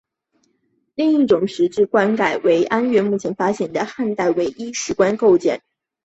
另一石质棺盖是安岳目前发现的汉代唯一石棺构件。